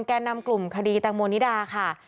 แก่นำกลุ่มคดีแตงโมนิดาค่ะ